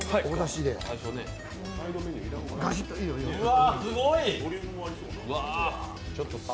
うわ、すごい！